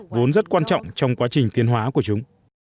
vốn rất quan trọng trong quá trình tiên hóa của chúng